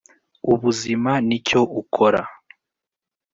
ubuzima nicyo ukora.